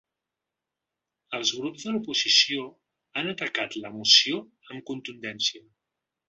Els grups de l’oposició han atacat la moció amb contundència.